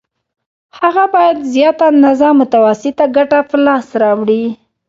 هغه باید زیاته اندازه متوسطه ګټه په لاس راوړي